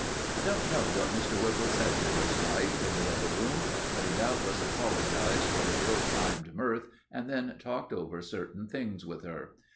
I don't know what Mr. Whipple said to his wife in the other room, but he doubtless apologized for his ill timed mirth and then talked over certain things with her.